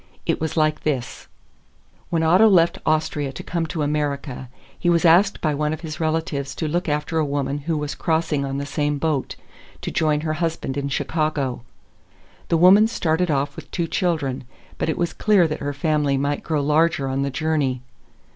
It was like this:— When Otto left Austria to come to America, he was asked by one of his relatives to look after a woman who was crossing on the same boat, to join her husband in Chicago. The woman started off with two children, but it was clear that her family might grow larger on the journey.